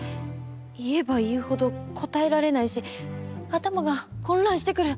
言えば言うほど答えられないし頭が混乱してくる。